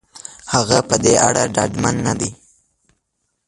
هغه په دې اړه ډاډمن نه دی.